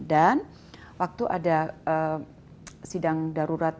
dan waktu ada sidang darurat